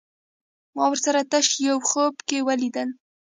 ما ورسره تش يو خوب کې وليدل